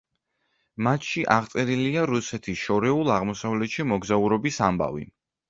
მათში აღწერილია რუსეთის შორეულ აღმოსავლეთში მოგზაურობის ამბავი.